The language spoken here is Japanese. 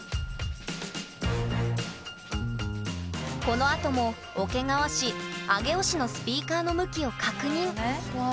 このあとも桶川市上尾市のスピーカーの向きを確認。